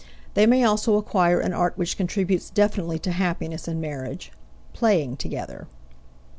They may also acquire an art which contributes definitely to happiness in marriage: playing together.